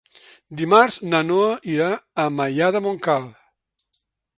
Dimarts na Noa irà a Maià de Montcal.